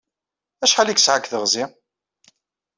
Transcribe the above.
Acḥal i yesɛa deg teɣzi?